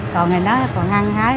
còn người đó còn ăn hái